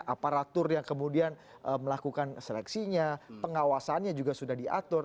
aparatur yang kemudian melakukan seleksinya pengawasannya juga sudah diatur